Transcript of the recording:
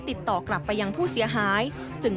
โดยใช้ถุงยางอนามัยระหว่างคมคื้นเหยื่อทั้ง๒ครั้ง